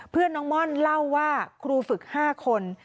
เพื่อนน้องม่อนเล่าว่าครูฝึก๕คน